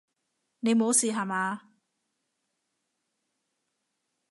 你無事吓嘛！